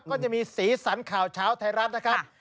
ก็จะมีสีสันข่าวเช้าไทยรัฐนะครับ